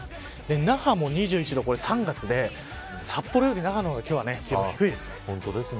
那覇も２１度は、３月で札幌より那覇の方が今日は気温が低いです。